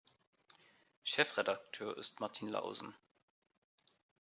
Chefredakteur ist Martin Lausen.